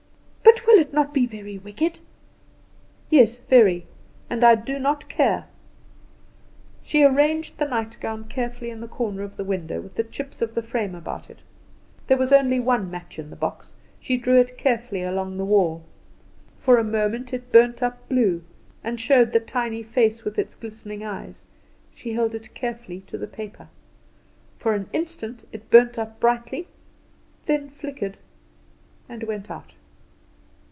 "But will it not be very wicked?" "Yes, very. And I do not care." She arranged the nightgown carefully in the corner of the window, with the chips of the frame about it. There was only one match in the box. She drew it carefully along the wall. For a moment it burnt up blue, and showed the tiny face with its glistening eyes. She held it carefully to the paper. For an instant it burnt up brightly, then flickered and went out.